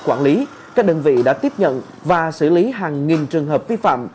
quản lý các đơn vị đã tiếp nhận và xử lý hàng nghìn trường hợp vi phạm